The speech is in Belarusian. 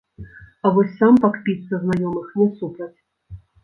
А вось сам пакпіць са знаёмых не супраць.